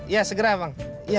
ya segera bang